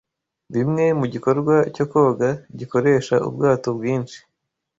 bimwe mugikorwa cyo koga gikoresha ubwato bwinshi